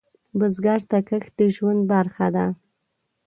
بزګر ته کښت د ژوند برخه ده